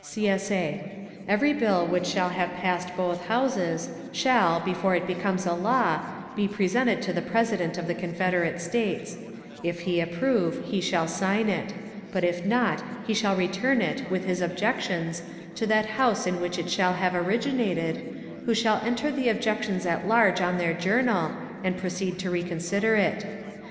[CSA] Every bill which shall have passed both Houses, shall, before it becomes a law, be presented to the President of the Confederate States; if he approve, he shall sign it; but if not, he shall return it, with his objections, to that House in which it shall have originated, who shall enter the objections at large on their journal, and proceed to reconsider it.